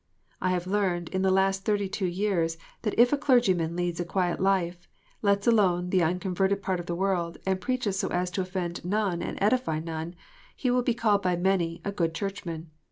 I have learned in the last thirty two years that if a clergyman leads a quiet life, lets alone the unconverted part of the world, and preaches so as to offend none and edify none, he will be called by many " a good Churchman."